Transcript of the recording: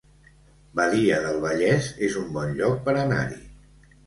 Badia del Vallès es un bon lloc per anar-hi